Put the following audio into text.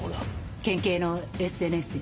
県警のＳＮＳよ。